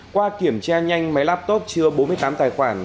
qua kiểm tra nhanh máy laptop chứa bốn mươi tám tài khoản